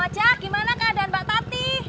bang ojak gimana keadaan mbak tati